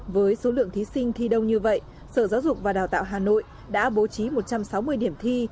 với số lượng thí sinh thi đông như vậy sở giáo dục và đào tạo hà nội đã bố trí một trăm sáu mươi điểm thi